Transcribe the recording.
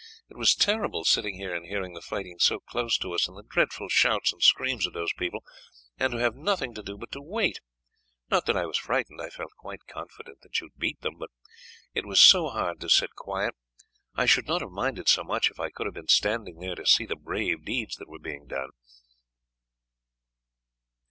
It was terrible sitting here and hearing the fight so close to us, and the dreadful shouts and screams of those people, and to have nothing to do but to wait. Not that I was frightened, I felt quite confident that you would beat them, but it was so hard to sit quiet. I should not have minded so much if I could have been standing there to see the brave deeds that were being done."